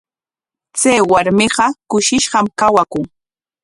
Chay warmiqa kushishqam kawakun.